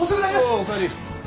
ああおかえり。